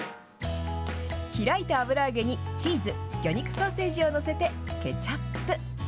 開いた油揚げに、チーズ、魚肉ソーセージを載せて、ケチャップ。